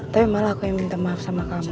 tapi malah aku yang minta maaf sama kamu